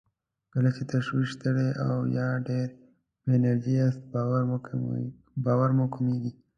کله چې تشویش، ستړی او يا ډېر بې انرژي ياست باور مو کمېږي.